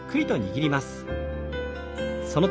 はい。